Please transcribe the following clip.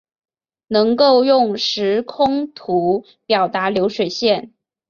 能够用时空图表达流水线